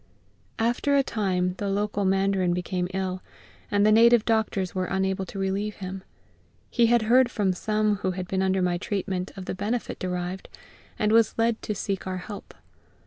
After a time the local mandarin became ill, and the native doctors were unable to relieve him. He had heard from some who had been under my treatment of the benefit derived, and was led to seek our help.